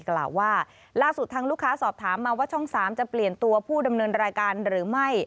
กล่าวว่าล่าสุดทางลูกค้าสอบถามมาว่าช่อง๓จะเปลี่ยนตัวผู้ดำเนินรายการหรือไม่